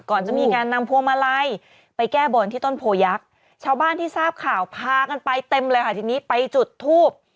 ก่อนจะมีการนำพวงมาลัยไปแก้บนที่ต้นโพยักษ์ชาวบ้านที่ทราบข่าวพากันไปเต็มเลยค่ะทีนี้ไปจุดทูบ